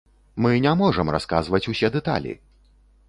Мы не можам расказваць усе дэталі!